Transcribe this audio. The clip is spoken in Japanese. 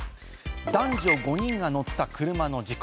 男女５人が乗った車の事故。